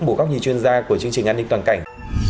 bộ cóc nhìn chuyên gia của chương trình an ninh toàn cảnh